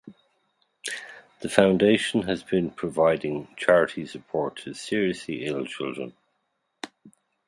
The Foundation has been providing charity support to seriously ill children.